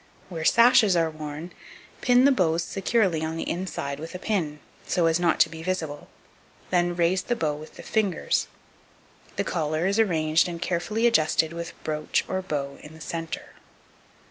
2259. Where sashes are worn, pin the bows securely on the inside with a pin, so as not to be visible; then raise the bow with the fingers. The collar is arranged and carefully adjusted with brooch or bow in the centre.